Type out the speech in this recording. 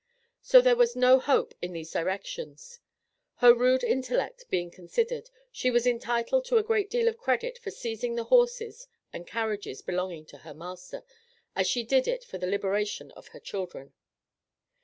So there was no hope in these directions. Her rude intellect being considered, she was entitled to a great deal of credit for seizing the horses and carriages belonging to her master, as she did it for the liberation of her children.